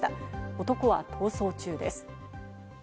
男は逃走中です。